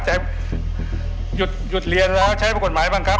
แต่หยุดเรียนแล้วใช้กฎหมายมาบังคับ